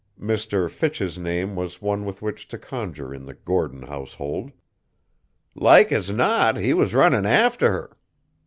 Mr. Fitch's name was one with which to conjure in the Gordon household. "Like as not he was runnin' after her!"